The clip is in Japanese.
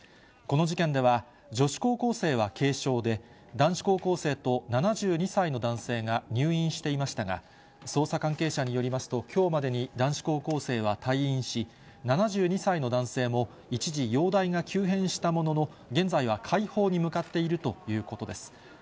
この事件では、女子高校生は軽傷で、男子高校生と７２歳の男性が入院していましたが、捜査関係者によりますと、きょうまでに男子高校生は退院し、７２歳の男性も一時、容体が急変したものの、現在は快方に向かっているということです。